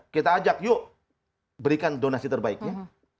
kita ajak yuk berikan donasi terbaiknya